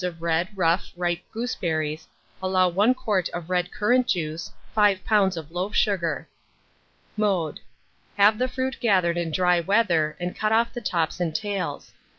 of red, rough, ripe gooseberries allow 1 quart of red currant juice, 5 lbs. of loaf sugar. Mode. Have the fruit gathered in dry weather, and cut off the tops and tails.